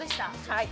はい。